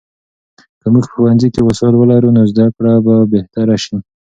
که موږ په ښوونځي کې وسایل ولرو، نو زده کړه به بهتره سي.